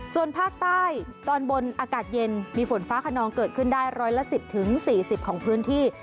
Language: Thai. ส่วนภาคใต้ตอนบนอากาศเย็นมีฝนฟ้าขนองเกิดขึ้นได้ร้อยละ๑๐๔๐ของพื้นที่